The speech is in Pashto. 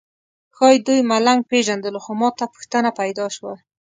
ښایي دوی ملنګ پېژندلو خو ماته پوښتنه پیدا شوه.